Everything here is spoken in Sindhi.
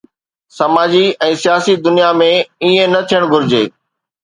سماجي ۽ سياسي دنيا ۾ ائين نه ٿيڻ گهرجي.